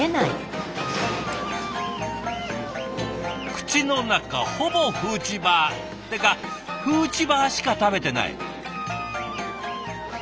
口の中ほぼフーチバー。ってかフーチバーしか食べてない。